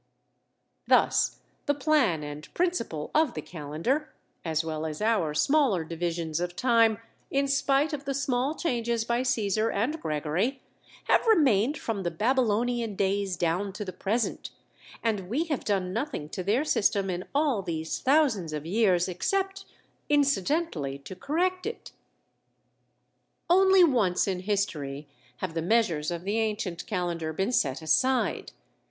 Thus the plan and principle of the calendar, as well as our smaller divisions of time, in spite of the small changes by Caesar and Gregory, have remained from the Babylonian days down to the present; and we have done nothing to their system in all these thousands of years, except, incidentally to correct it. Only once in history have the measures of the ancient calendar been set aside.